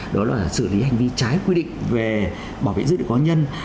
đó là xử lý hành vi trái quy định về bảo vệ dữ liệu cá nhân